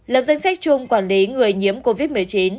lập danh sách chung quản lý người nhiễm covid một mươi chín